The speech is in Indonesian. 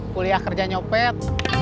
kuliah kerja nyopet